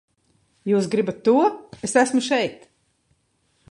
Jūs gribat to, es esmu šeit!